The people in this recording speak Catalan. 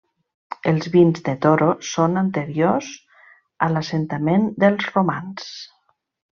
Els vins de Toro són anteriors a l'assentament dels romans.